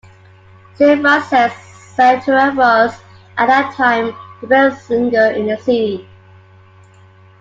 Seraphine says Cetera was, at that time, "the best singer in the city".